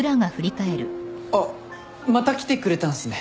あっまた来てくれたんすね。